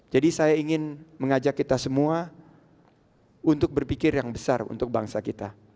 jadi saya ingin mengajak kita semua untuk berpikir yang besar untuk bangsa kita